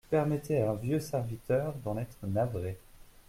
Permettez à un vieux serviteur d'en être navré.